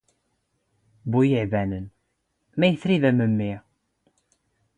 ⴱⵓ ⵉⵄⴱⴰⵏⵏ : ⵎⴰⵢⴷ ⵜⵔⵉⴷ, ⴰ ⵎⴻⵎⵎⵉ ?